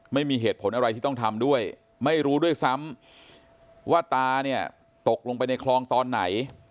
ไม่มีเหตุผลอะไรที่ต้องทำด้วยไม่รู้ด้วยซ้ำว่าตาเนี่ยตกลงไปในคลองตอนไหน